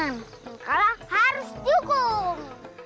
yang kalah harus dihukum